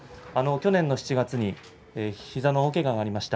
去年の７月膝のけががありました。